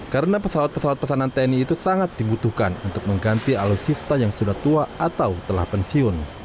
karena pesawat pesawat pesanan tni itu sangat dibutuhkan untuk mengganti alutsista yang sudah tua atau telah pensiun